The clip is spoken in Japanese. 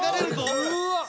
うわっ！